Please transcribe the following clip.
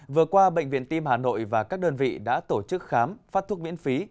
vừa qua bệnh viện tim hà nội và các đơn vị đã tổ chức khám phát thuốc miễn phí